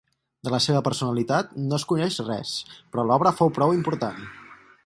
De la seva personalitat no es coneix res però l'obra fou prou important.